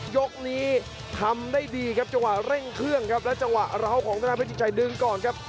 ยกนี้ทำได้ดีครับจังหวะเร่งเครื่องครับและจังหวะร้าวของธนาเพชรชัยดึงก่อนครับ